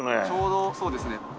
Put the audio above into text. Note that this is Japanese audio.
ちょうどそうですね